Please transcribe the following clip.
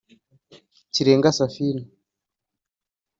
Kirenga Saphina